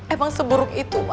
emang seburuk itu ma